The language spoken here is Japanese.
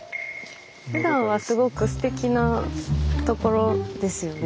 ふだんはすごくすてきな所ですよね